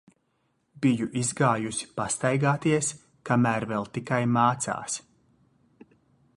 Biju izgājusi pastaigāties, kamēr vēl tikai mācās.